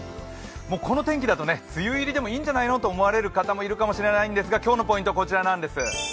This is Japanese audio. この天気だと梅雨入りでもいいんじゃないかと思われる方もいるかもしれませんが、今日のポイントはこちらなんです。